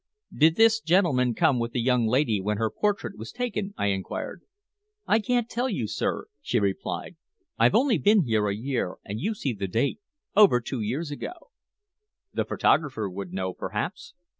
"Did this gentleman come with the young lady when her portrait was taken?" I inquired. "I can't tell, sir," she replied. "I've only been here a year, and you see the date over two years ago." "The photographer would know, perhaps?"